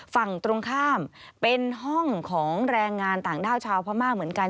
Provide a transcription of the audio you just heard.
ฝั่งตรงข้ามเป็นห้องของแรงงานต่างด้าวชาวพม่าเหมือนกัน